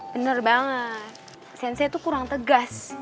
bener banget sensei tuh kurang tegas